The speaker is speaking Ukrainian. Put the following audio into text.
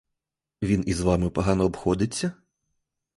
Він із вами погано обходиться?